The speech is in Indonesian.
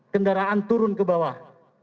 kendaraan turun ke bawah